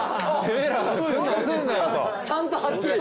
・ちゃんとはっきり。